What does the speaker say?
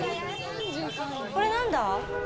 これ、何だ？